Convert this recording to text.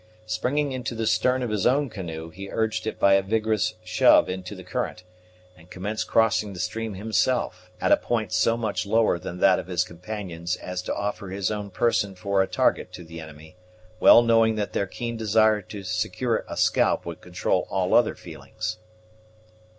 Springing into the stern of his own canoe, he urged it by a vigorous shove into the current, and commenced crossing the stream himself, at a point so much lower than that of his companions as to offer his own person for a target to the enemy, well knowing that their keen desire to secure a scalp would control all other feelings.